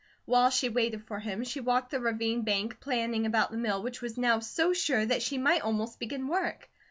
While she waited for him, she walked the ravine bank planning about the mill which was now so sure that she might almost begin work.